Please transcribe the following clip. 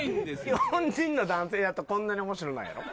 日本人の男性やとこんなに面白ないやろ？